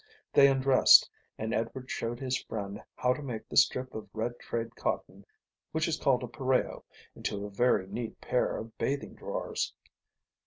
They undressed and Edward showed his friend how to make the strip of red trade cotton which is called a pareo into a very neat pair of bathing drawers.